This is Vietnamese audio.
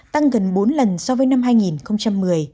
tăng gần bốn lần so với năm hai nghìn một mươi